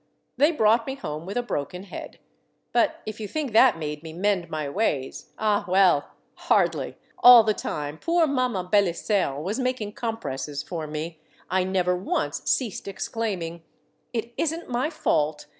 They brought me home with a broken head. But if you think that made me mend my ways — ah well ! hardly ; all the time poor Mamma Belisaire was making compresses for me, I never once ceased exclaiming, —" It is n't my fault.